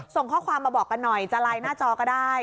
ส่งข้อความมาบอกกันหน่อยจะไลน์หน้าจอก็ได้